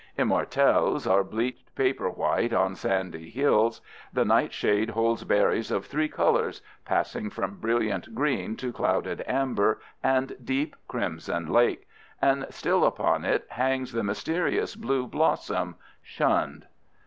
Immortelles are bleached paper white on sandy hills. The nightshade holds berries of three colors, passing from brilliant green to clouded amber and deep crimson lake, and still upon it hangs the mysterious blue blossom, shunned.